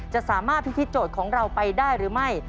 จะสามารถพิธีโจทย์ของเราไปได้หรือไม่